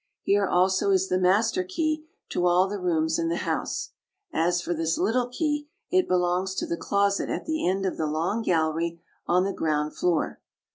Here also is the master key to all the rooms in the house; as for this little key, it belongs to the closet at the end of the long gallery on the ground floor.